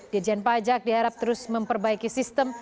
dijen pajak diharap terus memperbaiki sistem